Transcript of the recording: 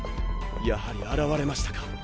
やはり現れましたか！